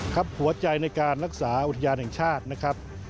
หัวใจในการรักษาอุทยานแห่งชาตินะครับ